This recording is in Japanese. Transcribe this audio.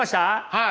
はい。